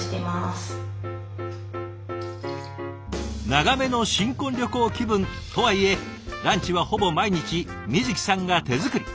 長めの新婚旅行気分とはいえランチはほぼ毎日美都紀さんが手作り。